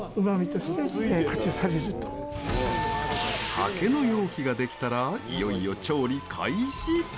竹の容器ができたらいよいよ調理開始。